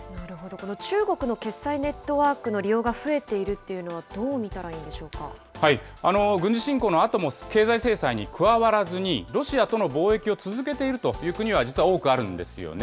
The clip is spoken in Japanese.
この中国の決済ネットワークの利用が増えているっていうのは、どう見たらいいんで軍事侵攻のあとも経済制裁に加わらずに、ロシアとの貿易を続けているという国は、実は多くあるんですよね。